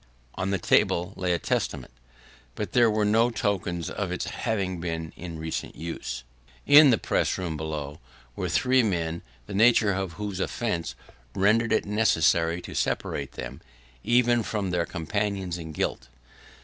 On the table lay a Testament, but there were no tokens of its having been in recent use. In the press room below, were three men, the nature of whose offence rendered it necessary to separate them, even from their companions in guilt.